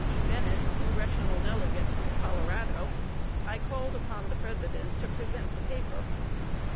P. Bennett, Congressional Delegate from Colorado, I called upon the President to present the paper.